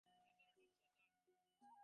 ভেতরে ঢুক, শয়তান।